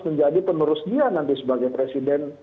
menjadi penerus dia nanti sebagai presiden